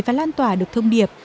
và lan tỏa được thông điệp